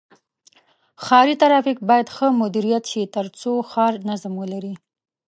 ښاري ترافیک باید ښه مدیریت شي تر څو ښار نظم ولري.